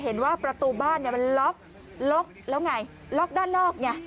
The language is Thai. เห็นว่าประตูบ้านมันล็อกล็อกแล้วไงล็อกด้านนอกไง